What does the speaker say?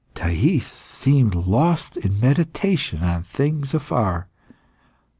'" Thais seemed lost in meditation on things afar.